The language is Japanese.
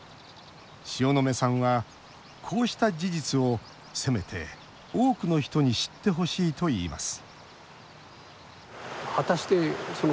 塩野目さんは、こうした事実をせめて多くの人に知ってほしいといいます